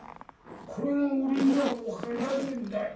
これが俺には分からねえんだ。